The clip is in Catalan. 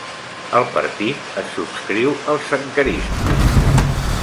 El partit es subscriu al Sankarisme.